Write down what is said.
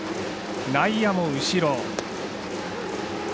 内野も後ろ。